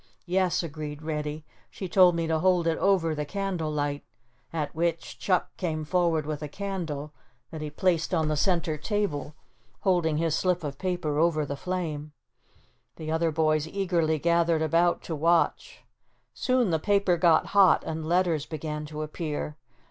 "Yes," agreed Reddy, "she told me to hold it over the candle light," at which Chuck came forward with a candle that he placed on the center table, holding his slip of paper over the flame. The other boys eagerly gathered about to watch. Soon the paper got hot and letters began to appear.